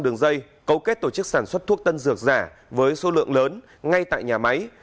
đường dây cấu kết tổ chức sản xuất thuốc tân dược giả với số lượng lớn ngay tại nhà máy